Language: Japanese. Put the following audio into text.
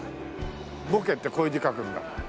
「ぼけ」ってこういう字書くんだ。